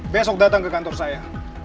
besok datang ke kantor saya